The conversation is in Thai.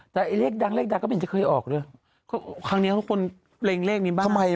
แต่เลขดังเลขดังก็เป็นจะเคยออกด้วยครั้งเนี้ยทุกคนเร่งเลขนี้บ้าง